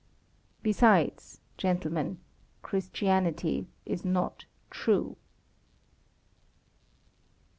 Besides, gentlemen, Christianity is not true.